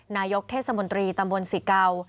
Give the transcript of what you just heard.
นายกเทศมนตรีตำบลสิเก่า